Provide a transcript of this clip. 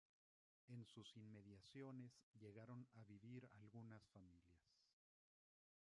En sus inmediaciones llegaron a vivir algunas familias.